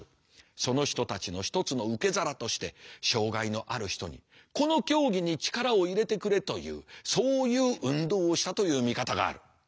その人たちの一つの受け皿として障害のある人にこの競技に力を入れてくれというそういう運動をしたという見方がある。